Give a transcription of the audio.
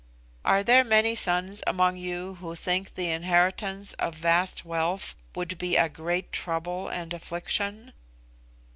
"Are there many sons among you who think the inheritance of vast wealth would be a great trouble and affliction?"